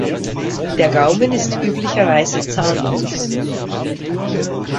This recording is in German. Der Gaumen ist üblicherweise zahnlos.